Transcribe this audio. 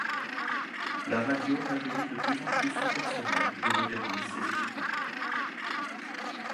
La radio rajeunit de plus en plus son personnel et modernise ses équipements.